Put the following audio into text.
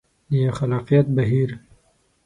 د خلاقیت بهیر